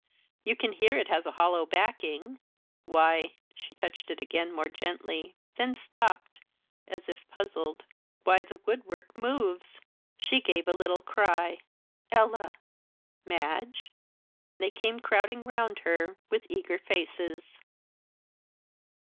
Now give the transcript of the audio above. "You can hear it has a hollow backing. Why" she touched it again more gently, then stopped, as if puzzled "why, the wood work moves." She gave a little cry, "Ella." "Madge?" They came crowding round her, with eager faces.